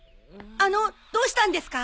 あのどうしたんですか？